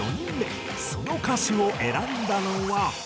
その歌手を選んだのは。